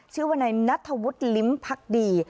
ชื่อว่าในนัทวุฒิลิมภักดี